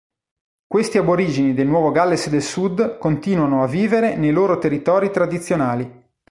Questi aborigeni del Nuovo Galles del Sud continuano a vivere nei loro territori tradizionali.